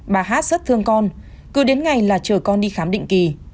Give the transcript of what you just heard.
bà hát rất thương con cứ đến ngày là chờ con đi khám định kỳ